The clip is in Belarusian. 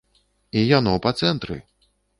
І яно па цэнтры!